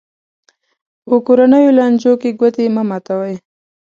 په کورنیو لانجو کې ګوتې مه ماتوي.